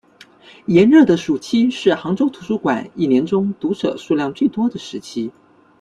炎热的暑期是杭州图书馆一年中读者数量最多的时期。